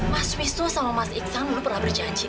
mas wisnu sama mas iksan dulu pernah berjanji